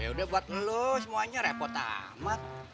ya udah buat ngeluh semuanya repot amat